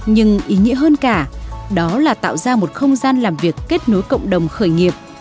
nhưng ý nghĩa hơn cả đó là tạo ra một không gian làm việc kết nối cộng đồng khởi nghiệp